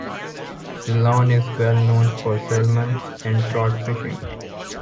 The Laune is well known for salmon and trout fishing.